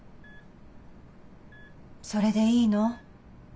それでいいの？